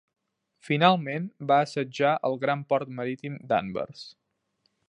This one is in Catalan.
Finalment va assetjar el gran port marítim d"Anvers.